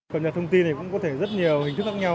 cập nhật thông tin thì cũng có thể rất nhiều hình thức khác nhau